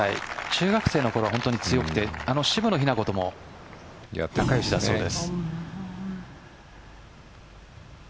中学生のころ、本当に強くて渋野日向子とも仲よしだそうです。